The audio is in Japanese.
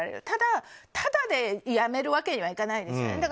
ただ、ただで辞めるわけにはいかないですよね。